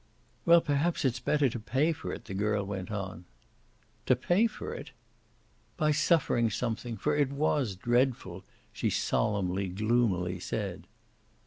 "Well, perhaps it's better to pay for it," the girl went on. "To pay for it?" "By suffering something. For it WAS dreadful," she solemnly gloomily said.